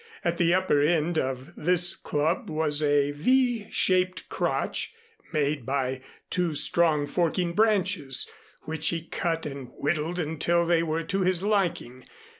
At the upper end of this club was a V shaped crotch, made by two strong forking branches, which he cut and whittled until they were to his liking.